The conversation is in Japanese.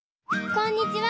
こんにちは！